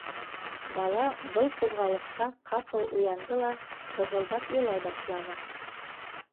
Бала был ҡуҙғалышҡа ҡапыл уянды ла тызылдап илай башланы.